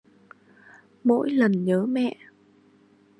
Mỗi lần nhớ mẹ